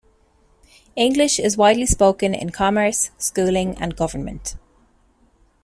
English is widely spoken in commerce, schooling and government.